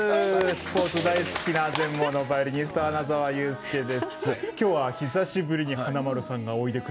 スポーツ大好きな全盲のバイオリニスト穴澤雄介です。